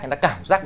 nhưng nó cảm giác